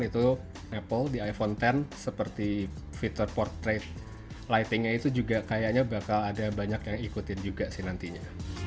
itu apple di iphone x seperti fitur portrait lightingnya itu juga kayaknya bakal ada banyak yang ikutin juga sih nantinya